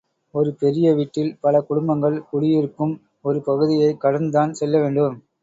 ஒரு பெரிய வீட்டில், பல குடும்பங்கள் குடியிருக்கும் ஒரு பகுதியைக் கடந்துதான் செல்ல வேண்டும்.